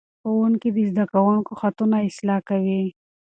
ښوونکي د زده کوونکو خطونه اصلاح کوي.